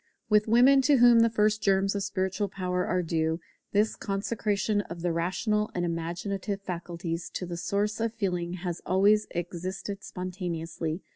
With women, to whom the first germs of spiritual power are due, this consecration of the rational and imaginative faculties to the source of feeling has always existed spontaneously.